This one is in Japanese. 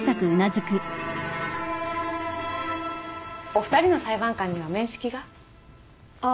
お二人の裁判官には面識が？ああ。